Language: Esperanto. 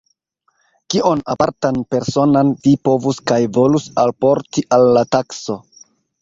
Kion apartan, personan, vi povus kaj volus alporti al la tasko?